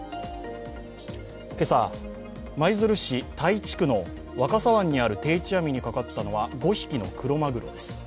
今朝、舞鶴市田井地区の若狭湾にある定置網にかかったのは５匹のクロマグロです。